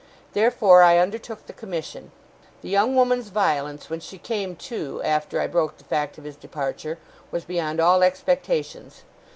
Therefore I undertook the commission. The young woman's violence when she came to, after I broke the fact of his departure, was beyond all expectations.